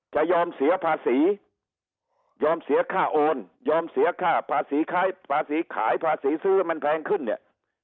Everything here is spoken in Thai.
จะยอมเสียภาษียอมเสียค่าโอนยอมเสียค่าภาษีภาษีขายภาษีซื้อมันแพงขึ้นเนี่ย